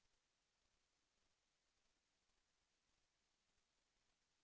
แสวได้ไงของเราก็เชียนนักอยู่ค่ะเป็นผู้ร่วมงานที่ดีมาก